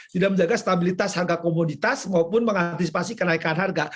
tidak menjaga stabilitas harga komoditas maupun mengantisipasi kenaikan harga